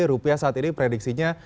rupiah saat ini prediksinya